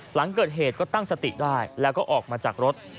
หลังเกิดเหตุก็ตั้งสติได้แล้วก็ออกมาจากรถ